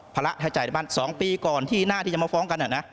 พละให้จ่ายละบั้น๒ปีก่อนหน้าที่จะมาฟ้องกัน